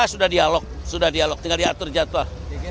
sudah dialog sudah dialog tinggal diatur jadwal